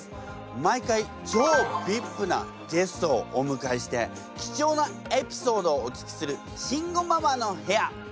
毎回超ビッグなゲストをおむかえして貴重なエピソードをお聞きする「慎吾ママの部屋」。